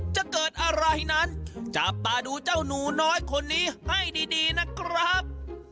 จะเกิดอะไรนั้นจับตาดูเจ้าหนูน้อยคนนี้ให้ดีนะครับ